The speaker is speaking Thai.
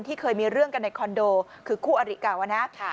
เคยมีเรื่องกันในคอนโดคือคู่อริเก่านะ